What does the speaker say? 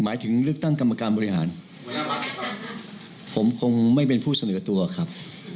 หมายถึงเลือกตั้งกรรมการบริหารผมคงไม่เป็นผู้เสนอตัวครับ